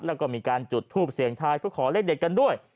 แล้วก็มีการจุดทูปเสียงทายเพื่อขอเลขเด็ดกันด้วย